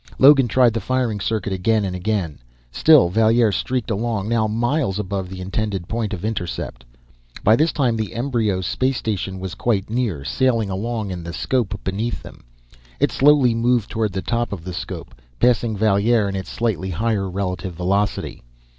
Logan tried the firing circuit again, and again. Still Valier streaked along, now miles above the intended point of intercept. By this time, the embryo space station was quite near, sailing along in the 'scope beneath them. It slowly moved toward the top of the 'scope, passing Valier in its slightly higher relative velocity.